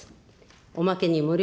おまけに無料。